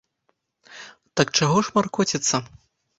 Так чаго ж маркоціцца.